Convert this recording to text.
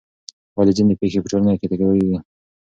ولې ځینې پېښې په ټولنه کې تکراریږي؟